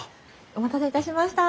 お待たせいたしました。